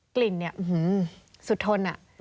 กลิ่นนี่อื้อหือสุดทน